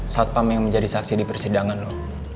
saat pameng menjadi saksi di persidangan lo